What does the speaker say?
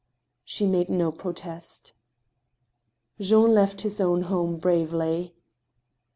She made no protest. Jean left his own home bravely.